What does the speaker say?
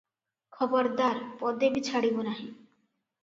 ଖବରଦାର! ପଦେ ବି ଛାଡିବୁ ନାହିଁ ।"